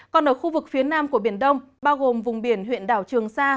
còn ở khu vực phía nam của biển đông bao gồm vùng biển huyện đảo trường sa